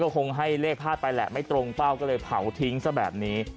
ก็คงให้เลขภาพไปแหละไม่ตรงเป้าเลยเผาถิงแปบนี้